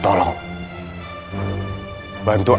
jika melakukan prova yang tinggi